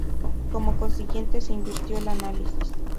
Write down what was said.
Como consiguiente se invirtió el análisis.